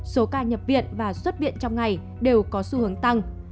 số ca nhập viện và xuất viện trong ngày đều có xu hướng tăng